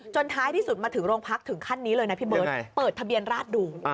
ท้ายที่สุดมาถึงโรงพักถึงขั้นนี้เลยนะพี่เบิร์ตเปิดทะเบียนราชดู